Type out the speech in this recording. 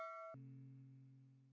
kudu mau jaga perasaan atau jangan